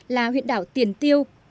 là huyện đảo tiền tiêu